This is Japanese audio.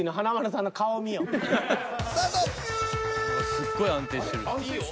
［すっごい安定してる］